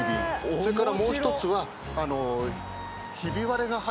それからもう１つは。